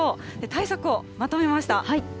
対策をまとめました。